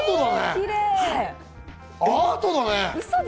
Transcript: アートだね。